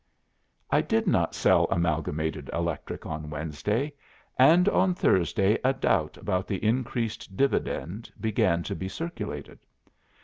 "I did not sell Amalgamated Electric on Wednesday, and on Thursday a doubt about the increased dividend began to be circulated.